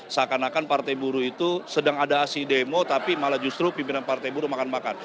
seakan akan partai buruh itu sedang ada aksi demo tapi malah justru pimpinan partai buruh makan makan